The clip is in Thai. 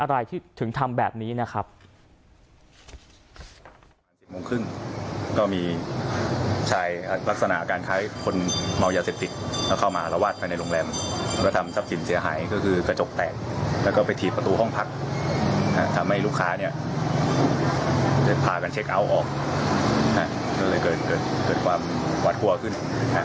แล้วก็ไปถีดประตูห้องพักทำให้ลูกค้าเนี่ยพากันเช็คเอาท์ออกก็เลยเกิดเกิดความหวาดหัวขึ้นฮะครับ